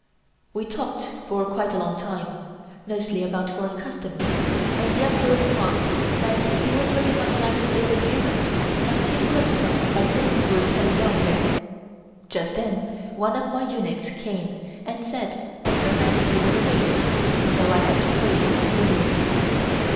We talked for quite a long time, mostly about foreign customs, and the Emperor remarked that he would very much like to visit Europe and see for himself how things were carried on there. Just then one of my eunuchs came and said that Her Majesty was awake, so I had to hurry off to her room.